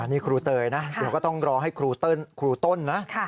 นี่ครูเตยนะเดี๋ยวก็ต้องรอให้ครูต้นนะ